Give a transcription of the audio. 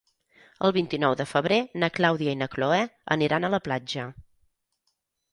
El vint-i-nou de febrer na Clàudia i na Cloè aniran a la platja.